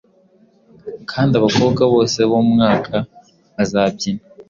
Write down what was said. Kandi abakobwa bose b'umwaka bazabyina!